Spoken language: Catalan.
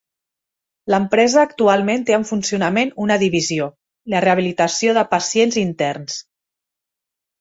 L'empresa actualment té en funcionament una divisió: la rehabilitació de pacients interns.